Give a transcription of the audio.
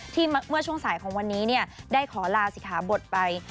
เมื่อช่วงสายของวันนี้ได้ขอลาศิกขาบทไป